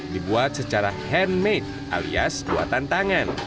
dibuat secara handmade alias buatan tangan